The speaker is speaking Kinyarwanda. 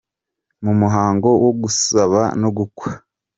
Mu muhango wo gusaba no gukwa.